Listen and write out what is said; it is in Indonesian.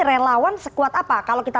relawan sekuat apa kalau kita